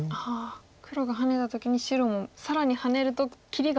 黒がハネた時に白も更にハネると切りが。